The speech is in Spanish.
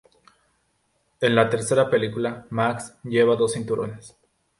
En la tercera película, Max lleva dos cinturones.